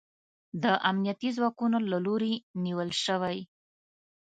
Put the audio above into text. د امنیتي ځواکونو له لوري نیول شوی